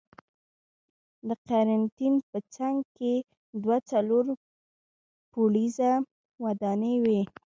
د قرنتین په څنګ کې دوه څلور پوړیزه ودانۍ وې.